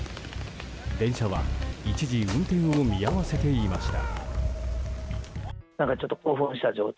電車は一時運転を見合わせていました。